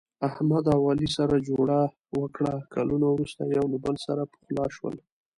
احمد او علي سره جوړه وکړه، کلونه ورسته یو له بل سره پخلا شول.